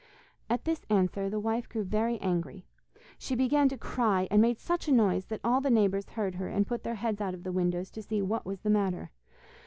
At this answer the wife grew very angry. She began to cry, and made such a noise that all the neighbours heard her and put their heads out of the windows, to see what was the matter.